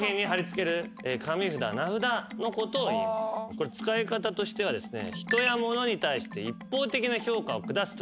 これ使い方としてはですね。